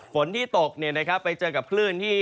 ฝนที่ตกไปเจอกับคลื่นที่